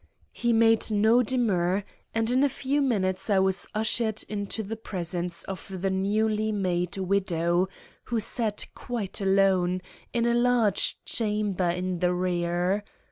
He made no demur, and in a few minutes I was ushered into the presence of the newly made widow, who sat quite alone, in a large chamber in the rear.